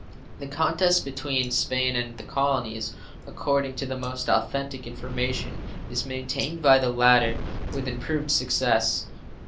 The contest between Spain and the colonies, according to the most authentic information, is maintained by the latter with improved success.